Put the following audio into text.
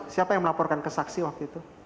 siapa yang melaporkan ke saksi waktu itu